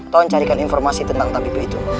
tolong carikan informasi tentang tabipe itu